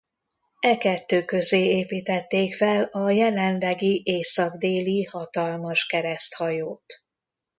E kettő közé építették fel a jelenlegi észak-déli hatalmas kereszthajót.